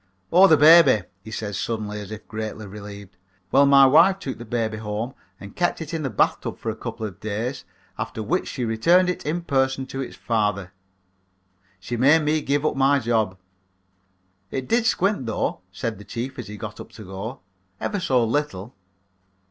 "Oh, the baby," he said suddenly, as if greatly relieved, "well, my wife took the baby home and kept it in the bathtub for a couple of days after which she returned it in person to its father. She made me give up my job. It did squint, though," said the chief, as he got up to go, "ever so little."